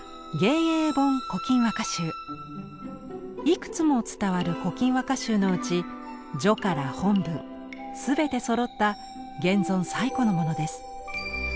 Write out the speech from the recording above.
いくつも伝わる「古今和歌集」のうち序から本文すべてそろった現存最古のものです。